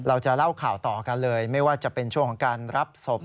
เราจะเล่าข่าวต่อกันเลยไม่ว่าจะเป็นช่วงของการรับศพ